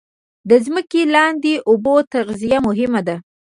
د ځمکې لاندې اوبو تغذیه مهمه ده